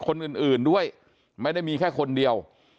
คนอื่นด้วยไม่ได้มีแค่คนเดียว